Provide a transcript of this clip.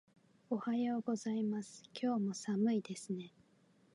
おはようございます。今日も寒いですね。